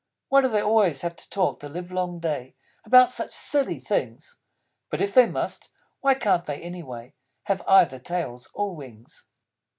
Why do they have to talk the livelong day About such silly things? But if they must, why can't they, anyway, Have either Tails or Wings?